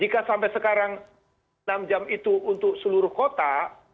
jika sampai sekarang enam jam itu untuk seluruh kota